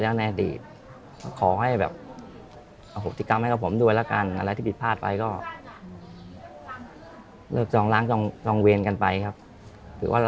ก็ไม่อยากให้ซ้ำอดีตครับไม่อยากให้มีเคร่นนั้นอีกแล้ว